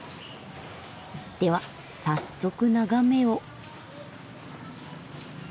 では早速眺めを。